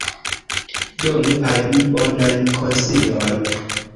Donu al mi bonan konsilon.